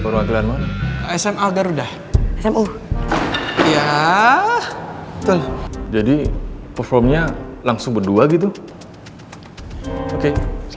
loh kok malah ngedance